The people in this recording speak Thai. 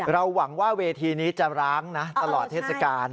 หวังว่าเวทีนี้จะร้างนะตลอดเทศกาล